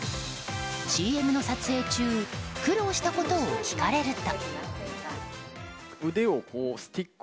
ＣＭの撮影中苦労したことを聞かれると。